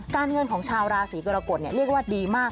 การเงินของชาวราศิกรกฎเนี่ยเรียกว่าดีมาก